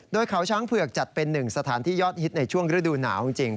โดยเขาช้างเผือกจัดเป็นหนึ่งสถานที่ยอดฮิตในช่วงฤดูหนาวจริง